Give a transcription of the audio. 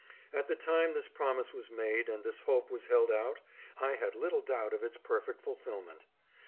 At the time this promise was made and this hope was held out, I had little doubt of its perfect fulfilment.